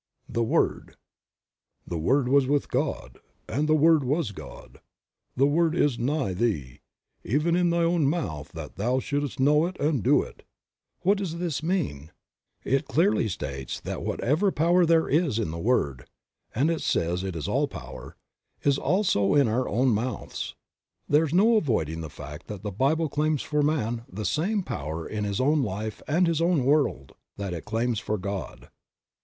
THE WORD. 66r THE Word was with God and the Word was God." "The Word is nigh thee, even in thy own mouth that thou shouldst know it and do it." What does this mean? It clearly states that whatever power there is in the Word (and it says it is All Power) is also in our own mouths. There is no avoiding the fact that the Bible claims for man the same power in his own life and his own world that it claims for God.